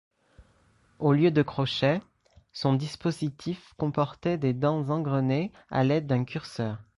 Au lieu de crochets, son dispositif comportait des dents engrenées à l'aide d'un curseur.